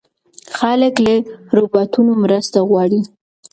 خلک له روباټونو مرسته غواړي.